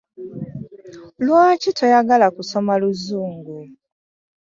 Lwaki toyagala kusoma luzungu?